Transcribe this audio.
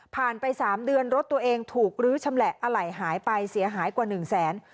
ไป๓เดือนรถตัวเองถูกลื้อชำแหละอะไหล่หายไปเสียหายกว่า๑แสน